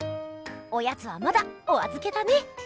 おやつはまだおあずけだね！